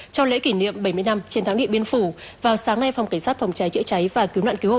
cho lễ kỷ niệm bảy mươi năm trên tháng điện biên phủ vào sáng nay phòng cảnh sát phòng cháy chữa cháy và cứu nạn cứu hộ